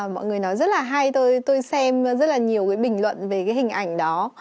mọi người nói rất là hay tôi xem rất là nhiều bình luận về hình ảnh đó